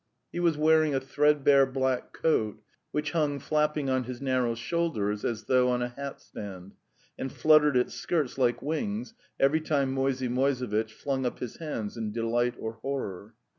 He was wearing a threadbare black coat, which hung flapping on his narrow shoulders as though on a hatstand, and fluttered its skirts like wings every time Moisey Moisevitch flung up his hands in delight or horror.